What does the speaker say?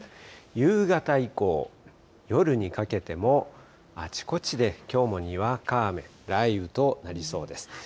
夕方以降、夜にかけても、あちこちできょうもにわか雨、雷雨となりそうです。